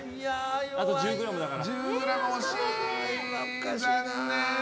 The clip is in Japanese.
あと１０ｇだから。